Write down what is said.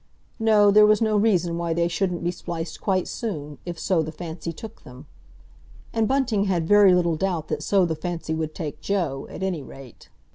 No, there was no reason why they shouldn't be spliced quite soon—if so the fancy took them. And Bunting had very little doubt that so the fancy would take Joe, at any rate.